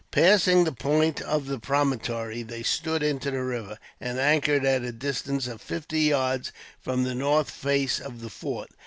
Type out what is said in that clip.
Passing the point of the promontory, they stood into the river, and anchored at a distance of fifty yards from the north face of the fort.